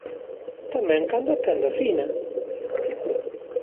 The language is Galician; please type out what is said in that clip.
Tamén cando atendo a Fina.